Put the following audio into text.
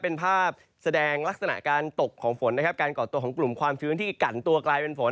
เป็นภาพแสดงลักษณะการตกของฝนนะครับการก่อตัวของกลุ่มความชื้นที่กันตัวกลายเป็นฝน